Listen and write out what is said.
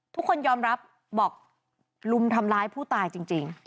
ทุกคนยอมรับบอกลุมทำร้ายผู้ตายจริง